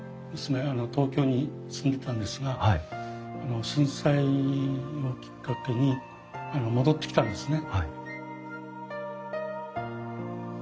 東京に住んでたんですが震災をきっかけに戻ってきたんですね。